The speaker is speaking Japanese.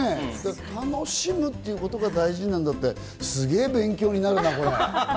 楽しむということが大事なんだって、すごく勉強になるな。